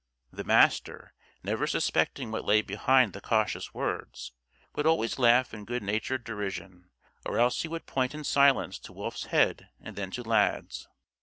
The Master, never suspecting what lay behind the cautious words, would always laugh in good natured derision, or else he would point in silence to Wolf's head and then to Lad's.